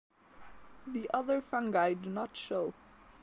The other fungi do not show.